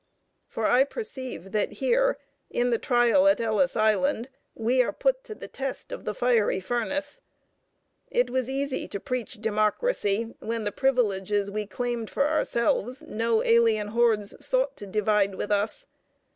For I perceive that here, in the trial at Ellis Island, we are put to the test of the fiery furnace. It was easy to preach democracy when the privileges we claimed for ourselves no alien hordes sought to divide with us.